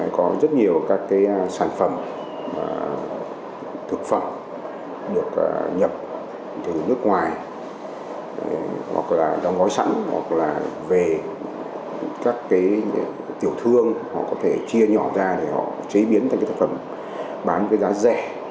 có rất nhiều các cái sản phẩm thực phẩm được nhập từ nước ngoài hoặc là đóng gói sẵn hoặc là về các tiểu thương họ có thể chia nhỏ ra để họ chế biến thành cái sản phẩm bán với giá rẻ